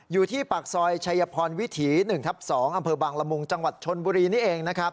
อยู่ที่ปากซอยชายภรณวิถีหนึ่งทับสองอำเภอบางระมุงจังหวัดชลบุรีเนี่ยเอง